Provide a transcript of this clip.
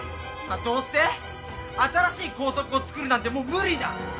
まあどうせ新しい校則を作るなんてもう無理だ。